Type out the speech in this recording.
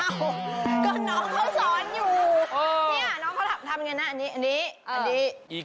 ก็น้องเขาสอนอยู่นี่น้องเขาทำอย่างไรน่ะอันนี้